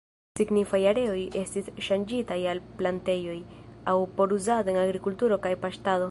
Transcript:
Signifaj areoj estis ŝanĝitaj al plantejoj, aŭ por uzado en agrikulturo kaj paŝtado.